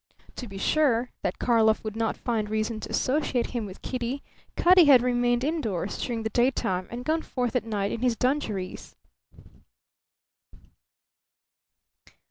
To be sure that Karlov would not find reason to associate him with Kitty, Cutty had remained indoors during the daytime and gone forth at night in his dungarees.